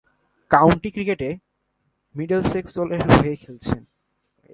County ক্রিকেটে Middlesex দলের হয়ে খেলছেন।